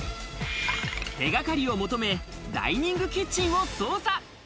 手掛かりを求めダイニングキッチンを捜査。